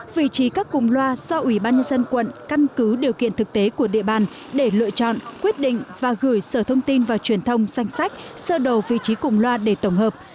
vị trí các cùng loa do ủy ban nhân dân quận căn cứ điều kiện thực tế của địa bàn để lựa chọn quyết định và gửi sở thông tin và truyền thông danh sách sơ đồ vị trí cùng loa để tổng hợp